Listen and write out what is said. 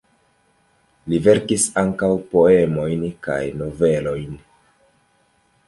Li verkis ankaŭ poemojn kaj novelojn.